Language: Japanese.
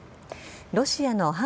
ロシアの反